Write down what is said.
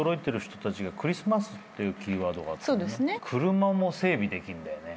車も整備できんだよね。